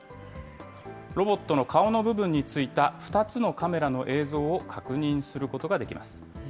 ロボットの顔の部分に付いた２つのカメラの映像を確認することができます。